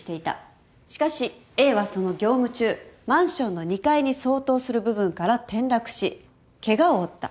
しかしＡはその業務中マンションの２階に相当する部分から転落しケガを負った。